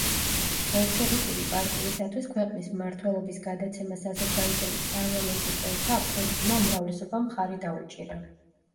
ბოლშევიკური პარტიისათვის ქვეყნის მმართველობის გადაცემას აზერბაიჯანის პარლამენტის წევრთა აბსოლუტურმა უმრავლესობამ მხარი დაუჭირა.